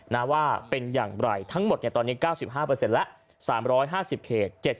นะว่าเป็นอย่างไรทั้งหมดตอนนี้๙๕แล้ว๓๕๐เขต